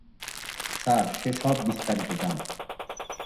Sir, সে সব বিস্তারিত জানে।